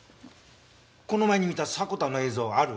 この前に見た迫田の映像ある？